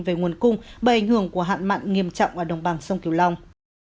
về nguồn cung bởi ảnh hưởng của hạn mặn nghiêm trọng ở đồng bằng sông kiều long